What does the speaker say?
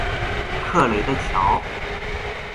克雷的橋